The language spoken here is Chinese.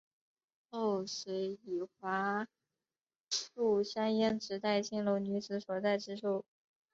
后遂以桦树香烟指代青楼女子所在之处。